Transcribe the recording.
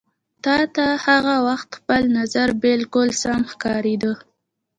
تا ته هغه وخت خپل نظر بالکل سم ښکارېده.